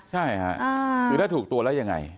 ใช่ค่ะคือถ้าถูกตัวแล้วยังไง